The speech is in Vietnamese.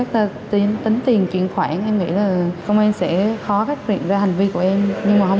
tính tiền chuyển khoản em nghĩ là công an sẽ khó phát triển ra hành vi của em nhưng mà không